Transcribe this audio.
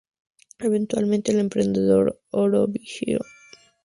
Eventualmente el Emperador Hirohito personalmente solicitó que se diera fin a la guerra.